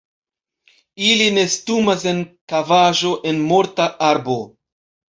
Ili nestumas en kavaĵo en morta arbo.